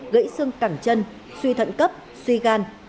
gãy xương cẳng chân suy thận cấp suy gan